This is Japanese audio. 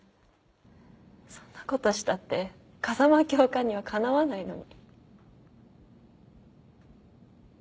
そんなことしたって風間教官にはかなわないのに。